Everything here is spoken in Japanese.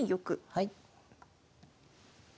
はい。